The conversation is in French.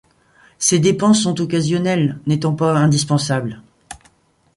Ces dépenses sont occasionnelles, n’étant pas indispensables.